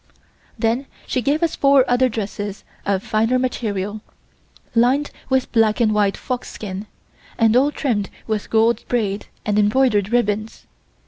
Then she gave us four other dresses of finer material, lined with black and white fox skin, and all trimmed with gold braid and embroidered ribbons.